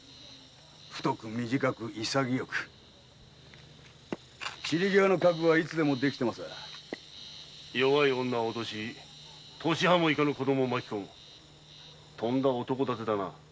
太く短く潔く散りぎわの覚悟はいつでもできてまさぁ弱い女を脅し年端もいかぬ子供を巻きこむとんだ男ダテだな。